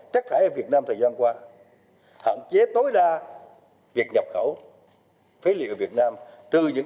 trắc thải ở việt nam thời gian qua hạn chế tối đa việc nhập khẩu phế liệu ở việt nam trừ những